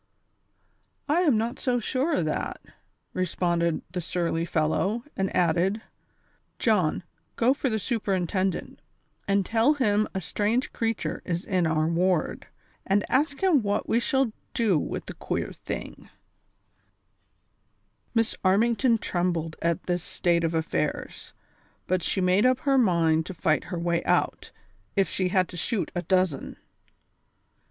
"I am not so sure o" that,"' responded the surly fellow ; and added: "John, go for the superintendent, and tell him a strange creature is in our ward ; and ask him what we shall do with the queer thing V " Miss Armington trembled at this state of affairs, but she made up her mind to fight her way out, if she had to shoot a dozen.